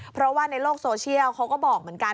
เพราะว่าในโลกโซเชียลเขาก็บอกเหมือนกัน